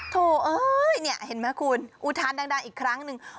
โถเอ้ยเนี่ยเห็นไหมคุณอุทานดังอีกครั้งหนึ่ง